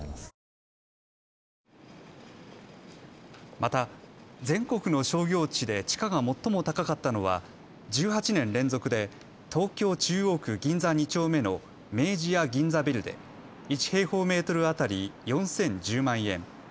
また全国の商業地で地価が最も高かったのは１８年連続で東京中央区銀座２丁目の明治屋銀座ビルで１平方メートル当たり４０１０万円。